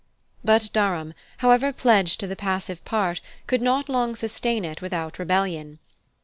But Durham, however pledged to the passive part, could not long sustain it without rebellion.